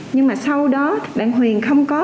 nhưng mà sau đó bạn huyền không có